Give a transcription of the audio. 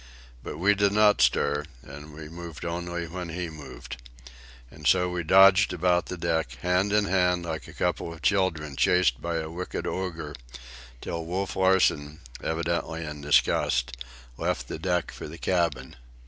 But we did not stir, and we moved only when he moved. And so we dodged about the deck, hand in hand, like a couple of children chased by a wicked ogre, till Wolf Larsen, evidently in disgust, left the deck for the cabin.